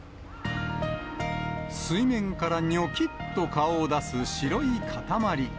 水面からにょきっと顔を出す白い塊。